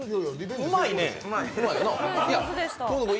うまいね。